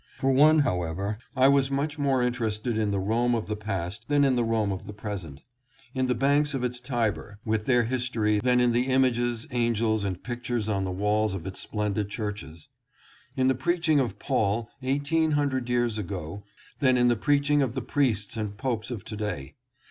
For one, however, I was much more interested in the Rome of the past than in the Rome of the present ; in the banks of its Tiber with their history than in the images, angels and pic tures on the walls of its splendid churches ; in the preaching of Paul eighteen hundred years ago than in the preaching of the priests and popes of to day.